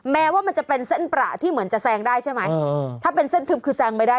แม้ว่ามันจะเป็นเส้นประที่เหมือนจะแซงได้ใช่ไหมถ้าเป็นเส้นทึบคือแซงไม่ได้